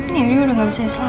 nindy udah gak bisa diselamatin